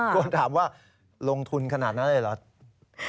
คนถามว่าลงทุนขนาดนั้นเลยเหรอ